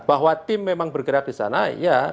bahwa tim memang bergerak di sana ya